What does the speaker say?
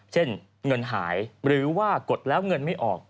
เช่นเงินหายหรือว่ากดแล้วเงินไม่ออก